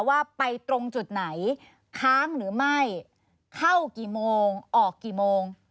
ว่าไปตรงจุดไหนค้างหรือไม่เข้ากี่โมงออกกี่โมง